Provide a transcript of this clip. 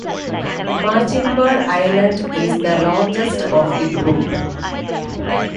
Marchinbar Island is the largest of the group.